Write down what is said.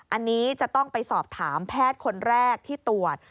อันนี้จะต้องไปสอบถามแพทย์คนแรกที่ตรวจ